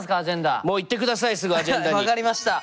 分かりました。